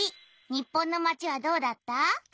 日本のまちはどうだった？